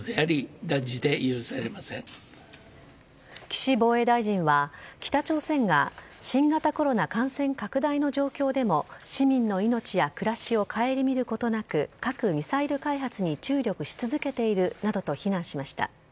岸防衛大臣は、北朝鮮が新型コロナ感染拡大の状況でも市民の命や暮らしをかえりみることなく核・ミサイル開発に注力し続けているなどと非難しました。